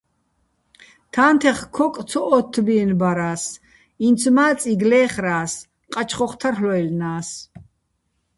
თა́ნთეხ ქოკ ცო ო́თთბიენბარას, ინც მა́ წიგ ლე́ხრა́ს, ყაჩღოხ თარლ'ვაჲლნა́ს.